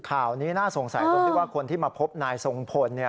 ข่าวนี้น่าสงสัยตรงที่ว่าคนที่มาพบนายทรงพล